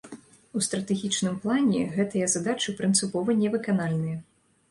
У стратэгічным плане гэтыя задачы прынцыпова не выканальныя.